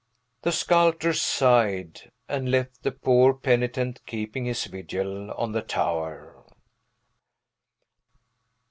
The sculptor sighed, and left the poor penitent keeping his vigil on the tower.